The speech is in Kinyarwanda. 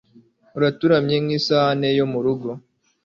utarunamye nk'isahani yo mu rugo